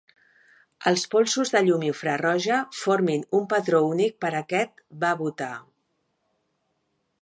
Els polsos de llum infraroja formin un patró únic per a aquest va botar.